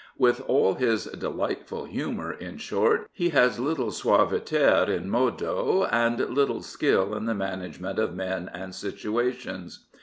With all his delightful humour, in short, he has little suaviter in modo and little skill in the management of men and situations.